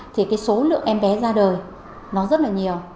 thì cái số lượng em bé ra đời nó rất là nhiều